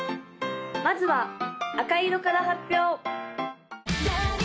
まずは赤色から発表！